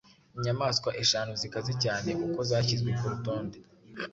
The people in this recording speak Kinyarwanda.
inyamaswa eshanu zikaze cyane uko zashyizwe ku rutonde